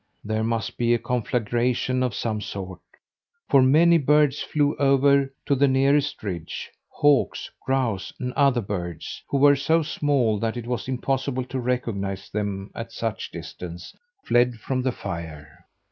There must be a conflagration of some sort, for many birds flew over to the nearest ridge. Hawks, grouse, and other birds, who were so small that it was impossible to recognize them at such a distance, fled from the fire.